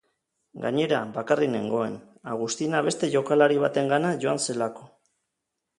Gainera, bakarrik nengoen, Agustina beste jokalari batengana joan zelako.